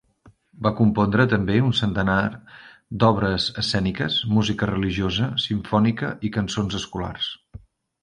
Va compondre també un centenar d'obres escèniques, música religiosa, simfònica i cançons escolars.